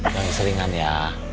jangan seringan ya